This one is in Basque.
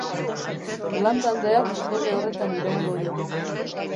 Lan-taldeak bere horretan iraungo du.